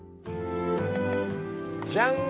ジャンッ！